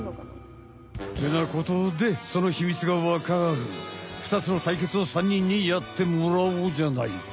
てなことでそのひみつが分かるふたつの対決を３にんにやってもらおうじゃないか！